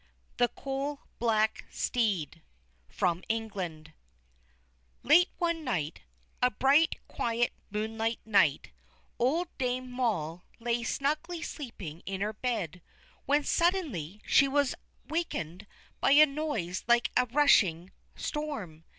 THE COAL BLACK STEED From England Late one night a bright, quiet, moonlit night old Dame Moll lay snugly sleeping in her bed, when suddenly she was wakened by a noise like a rushing storm.